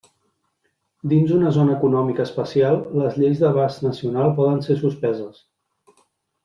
Dins una zona econòmica especial les lleis d'abast nacional poden ser suspeses.